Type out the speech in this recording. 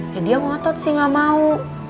ya dia ngotot sih gak mau